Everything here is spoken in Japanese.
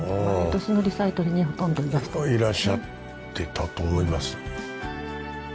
いらっしゃってたと思います。